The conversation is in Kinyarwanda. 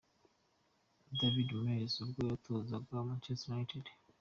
David Moyes ubwo yatozaga Manchester United.